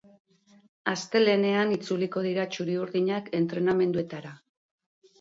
Astelehenean itzuliko dira txuri-urdinak entrenamenduetara.